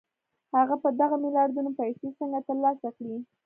هغه به دغه میلیاردونه پیسې څنګه ترلاسه کړي